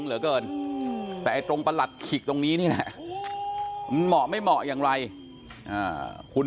เหลือเกินแต่ตรงประหลัดขิกตรงนี้นี่แหละมันเหมาะไม่เหมาะอย่างไรคุณ